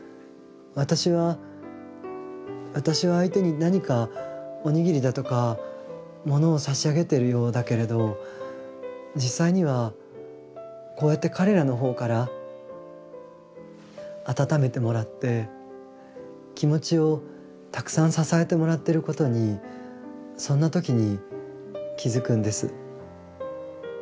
私は私は相手に何かおにぎりだとか物を差し上げてるようだけれど実際にはこうやって彼らの方から温めてもらって気持ちをたくさん支えてもらってることにそんな時に気付くんです。